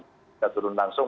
kita turun langsung